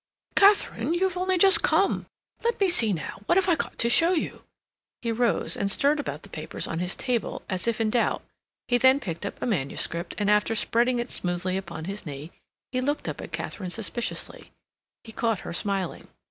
"Katharine, you've only just come! Let me see now, what have I got to show you?" He rose, and stirred about the papers on his table, as if in doubt; he then picked up a manuscript, and after spreading it smoothly upon his knee, he looked up at Katharine suspiciously. He caught her smiling.